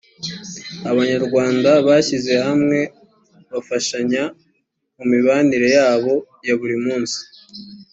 abanyarwanda bashyize hamwe bafashanya mu mibanire yabo ya buri munsi